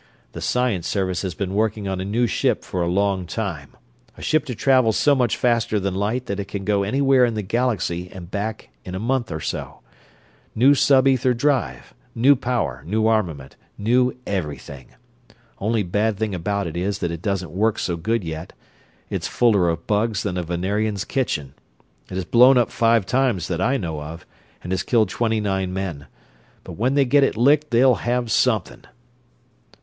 The Science Service has been working on a new ship for a long time; a ship to travel so much faster than light that it can go anywhere in the Galaxy and back in a month or so. New sub ether drive, new power, new armament, new everything. Only bad thing about it is that it doesn't work so good yet it's fuller of "bugs" than a Venerian's kitchen. It has blown up five times that I know of, and has killed twenty nine men. But when they get it licked they'll _have something!